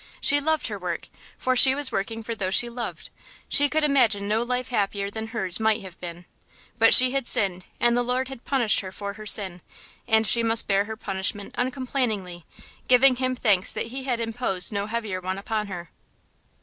She loved her work, for she was working for those she loved. She could imagine no life happier than hers might have been. But she had sinned, and the Lord had punished her for sin, and she must bear her punishment uncomplainingly, giving Him thanks that He had imposed no heavier one upon her.